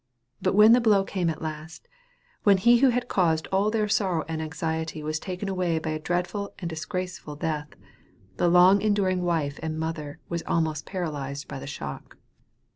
But when the blow came at last, when he who had caused all their sorrow and anxiety was taken away by a dreadful and disgraceful death, the long enduring wife and mother was almost paralyzed by the shock.